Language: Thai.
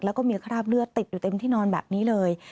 แล้วก็มีคราบเลือดติดอยู่เต็มที่นอนแบบนี้เลย